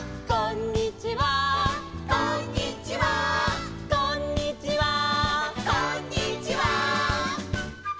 「こんにちは」